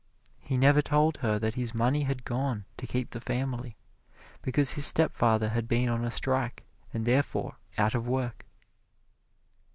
He never told her that his money had gone to keep the family, because his stepfather had been on a strike and therefore out of work.